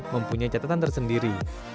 mempunyai catatan tersendiri